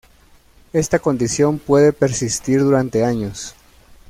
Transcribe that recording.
Esta condición puede persistir durante años.